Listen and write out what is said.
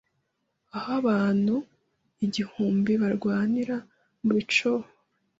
Aho abantu igihumbi barwanira mubico b